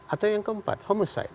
atau yang keempat homoside